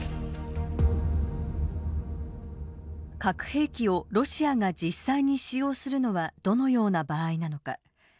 核兵器をロシアが実際に使用するのはどのような場合なのか。